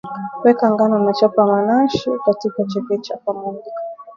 weka ngano na chapa manaashi katika na chekecha pamoja